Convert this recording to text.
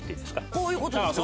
こういうことですか？